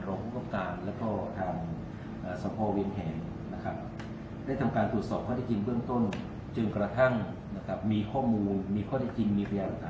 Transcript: รองคุณคับการและทางท